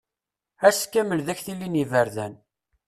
Ass kamel d aktili n yiberdan.